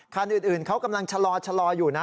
คันอื่นเขากำลังชะลออยู่นะ